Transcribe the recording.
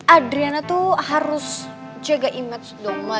adriana tuh harus jaga image dong ma